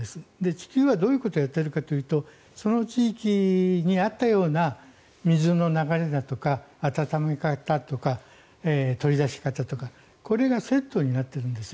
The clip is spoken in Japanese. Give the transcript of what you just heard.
地球はどういうことをやっているかというとその地域に合ったような水の流れだとか温め方とか取り出し方とかこれがセットになってるんです。